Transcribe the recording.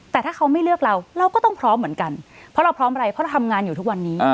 แต่ถ้าเขาไม่เลือกเราเราก็ต้องพร้อมเหมือนกันเพราะเราพร้อมอะไรเพราะเราทำงานอยู่ทุกวันนี้